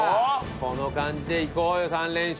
この感じでいこうよ、３連勝。